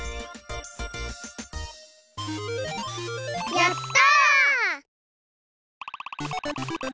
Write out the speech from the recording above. やった！